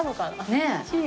ねえ。